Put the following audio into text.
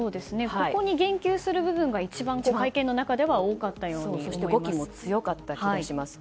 ここに言及する部分が一番会見の中ではそして語気も強かった気がします。